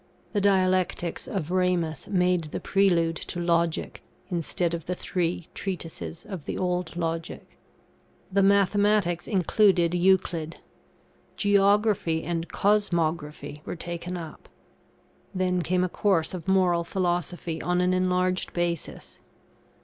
The dialectics of Ramus made the prelude to Logic, instead of the three treatises of the old Logic. The Mathematics included Euclid. Geography and Cosmography were taken up. Then came a course of Moral Philosophy on an enlarged basis.